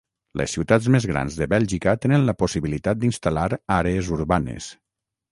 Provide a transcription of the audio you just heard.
Les ciutats més grans de Bèlgica tenen la possibilitat d'instal·lar àrees urbanes.